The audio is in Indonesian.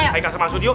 haikal sama asun yuk